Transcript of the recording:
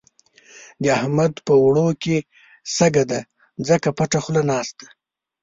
د احمد په اوړو کې شګه ده؛ ځکه پټه خوله ناست دی.